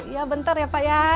iya bentar ya pak ya